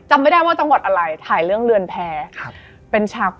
ฉันก็เคยเล่นเปล่า